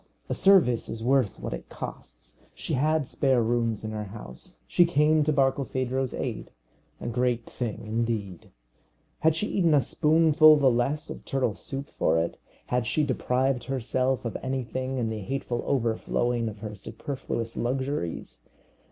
A service is worth what it costs. She had spare rooms in her house. She came to Barkilphedro's aid! A great thing, indeed. Had she eaten a spoonful the less of turtle soup for it? had she deprived herself of anything in the hateful overflowing of her superfluous luxuries?